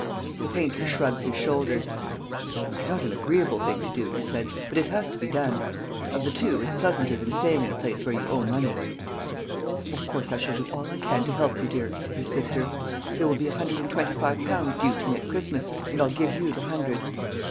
The painter shrugged his shoulders. "It's not an agreeable thing to do," he said, "but it has been done. Of the two, it's pleasanter than staying in a place where you owe money." "Of course I shall do all I can to help you, dear," said his sister. "There will be a hundred and twenty five pounds due to me at Christmas, and I'll give you the hundred."